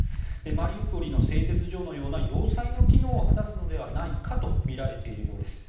マリウポリの製鉄所のような要塞のような機能を果たすのではとみられているようです。